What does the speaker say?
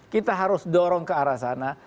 kita harus dorong ke arah sana